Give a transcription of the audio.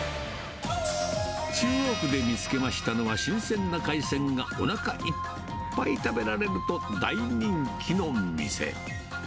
中央区で見つけましたのは、新鮮な海鮮がおなかいっぱい食べられると大人気の店。